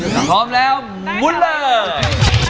ถ้าพร้อมแล้วมุนเลย